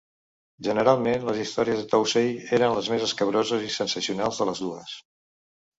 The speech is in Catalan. Generalment, les històries de Tousey eren les més escabroses i sensacionals de les dues.